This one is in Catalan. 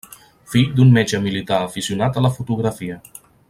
Fill d'un metge militar aficionat a la fotografia.